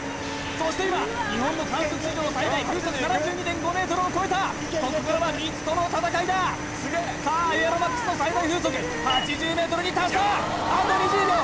そして今日本の観測史上最大風速７２．５メートルを超えたここからは未知との戦いださあエアロ★ＭＡＸの最大風速８０メートルに達したあと２０秒